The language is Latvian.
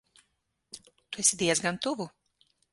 Tu esi diezgan tuvu.